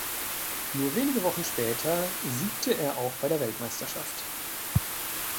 Nur wenige Wochen später siegte er auch bei der Weltmeisterschaft.